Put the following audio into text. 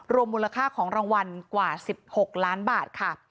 มูลค่าของรางวัลกว่า๑๖ล้านบาทค่ะ